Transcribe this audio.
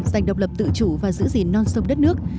giành độc lập tự chủ và giữ gìn non sông đất nước